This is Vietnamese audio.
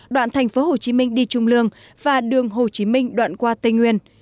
đoạn tp hcm đi trung lương và đường hồ chí minh đoạn qua tây nguyên